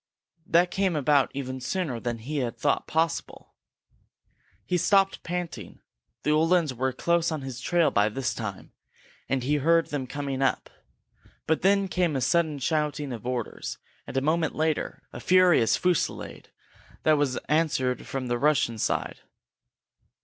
That came about even sooner than he had thought possible. He stopped, panting. The Uhlans were close on his trail by this time, and he heard them coming up. But then came a sudden shouting of orders, and, a moment later, a furious fusillade that was answered from the Russian side.